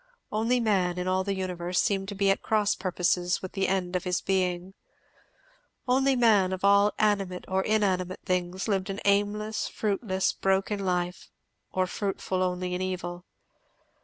Only man, in all the universe, seemed to be at cross purposes with the end of his being. Only man, of all animate or inanimate things, lived an aimless, fruitless, broken life, or fruitful only in evil.